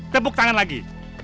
tepuk tangan lagi